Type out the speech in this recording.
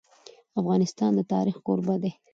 افغانستان د تاریخ کوربه دی.